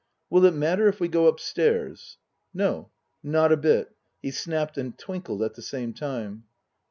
" Will it matter if we go upstairs ?"" No. Not a bit." He snapped and twinkled at the same time.